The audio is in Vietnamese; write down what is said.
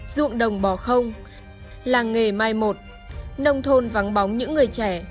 ruộng đồng bò không làng nghề mai một nông thôn vắng bóng những người trẻ